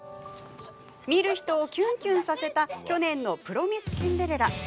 見る人をキュンキュンさせた去年の「プロミス・シンデレラ」。